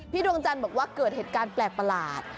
ดวงจันทร์บอกว่าเกิดเหตุการณ์แปลกประหลาด